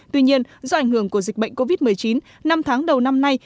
tuy nhiên do ảnh hưởng của dịch bệnh covid một mươi chín năm tháng đầu năm nay